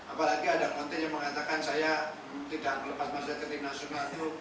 apalagi ada konten yang mengatakan saya tidak lepas masuk ke tim nasional itu